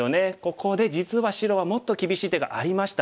ここで実は白はもっと厳しい手がありました。